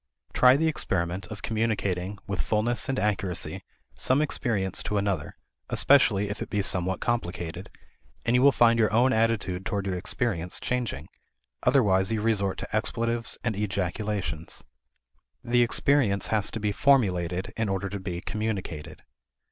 Try the experiment of communicating, with fullness and accuracy, some experience to another, especially if it be somewhat complicated, and you will find your own attitude toward your experience changing; otherwise you resort to expletives and ejaculations. The experience has to be formulated in order to be communicated.